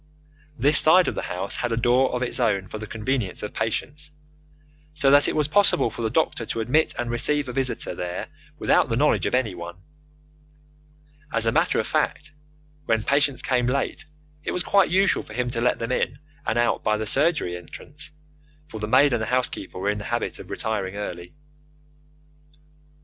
This side of the house had a door of its own for the convenience of patients, so that it was possible for the doctor to admit and receive a visitor there without the knowledge of anyone. As a matter of fact, when patients came late it was quite usual for him to let them in and out by the surgery entrance, for the maid and the housekeeper were in the habit of retiring early.